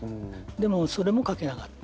でもそれも書けなかった。